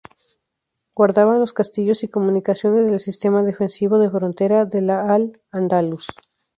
Guardaban los castillos y comunicaciones del sistema defensivo de frontera de la Al-Ándalus.